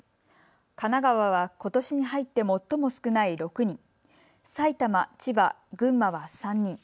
神奈川はことしに入って最も少ない６人、埼玉、千葉、群馬は３人。